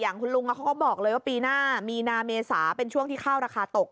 คุณลุงเขาก็บอกเลยว่าปีหน้ามีนาเมษาเป็นช่วงที่ข้าวราคาตก